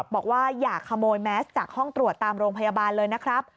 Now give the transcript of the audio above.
บอกว่าอย่าขโมยแมสจากห้องตรวจตามโรงพยาบาลเลยนะครับ